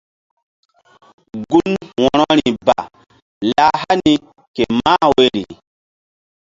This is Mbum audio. Gun wo̧rori ba lah hani ke mah woyri.